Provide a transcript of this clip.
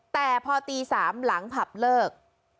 แต่พอตี๓หลังผับเลิก